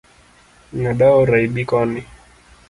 Ng’ad aora ibi koni.